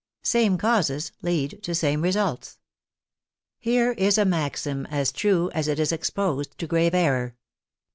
" Same causes lead to same results." Here is a maxim as true as it is exposed to grave error.